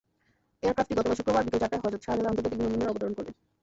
এয়ারক্রাফটটি গতকাল শুক্রবার বিকেল চারটায় হযরত শাহজালাল আন্তর্জাতিক বিমানবন্দরে অবতরণ করে।